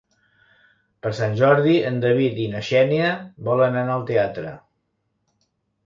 Per Sant Jordi en David i na Xènia volen anar al teatre.